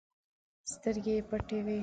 سترګې يې پټې وې.